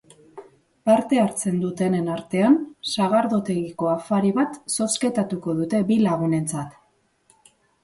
Parte hartzen dutenen artean, sagardotegiko afari bat zozketatuko dute bi lagunentzat.